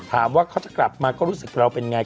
ถามว่าเขาจะกลับมาก็รู้สึกเราเป็นไง